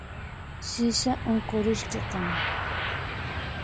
Sisa unkurishkakan